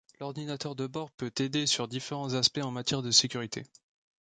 L'ordinateur de bord peut aider sur différents aspects en matière de sécurité.